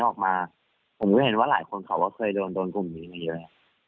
ออกมาผมก็เห็นว่าหลายคนเขาก็เคยโดนโดนกลุ่มนี้มาเยอะ